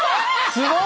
すごい！